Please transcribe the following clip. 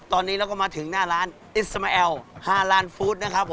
ตอนนี้เราก็มาถึงหน้าร้านอิสมาแอล๕ล้านฟู้ดนะครับผม